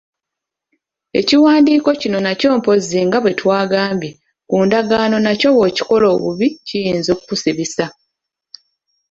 Ekiwandiiko kino nakyo mpozzi nga bwe twagambye ku ndagaano nakyo bw'okikola obubi kiyinza okukusibisa.